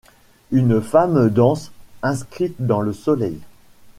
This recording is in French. Une femme danse, inscrite dans le soleil.